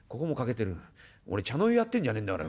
俺茶の湯やってんじゃねえんだから。